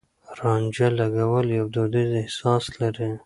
رانجه لګول يو دوديز احساس لري.